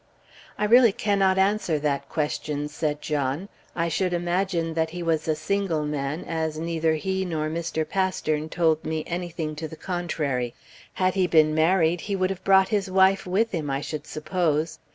"I really can not answer that question," said John; "I should imagine that he was a single man, as neither he nor Mr. Pastern told me anything to the contrary. Had he been married, he would have brought his wife with him, I should suppose.